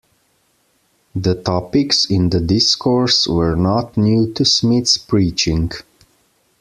The topics in the discourse were not new to Smith's preaching.